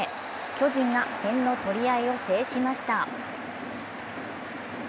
巨人が点の取り合いを制しました。